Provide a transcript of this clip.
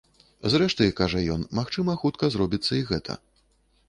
Зрэшты, кажа ён, магчыма хутка зробіцца і гэта.